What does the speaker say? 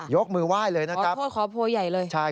ยกมือไหว้เลยนะครับ